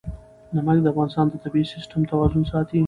نمک د افغانستان د طبعي سیسټم توازن ساتي.